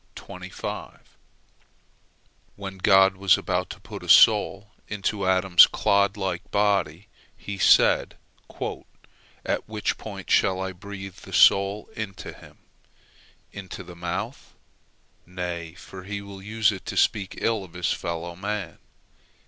When God was about to put a soul into Adam's clod like body, He said: "At which point shall I breathe the soul into him? Into the mouth? Nay, for he will use it to speak ill of his fellow man.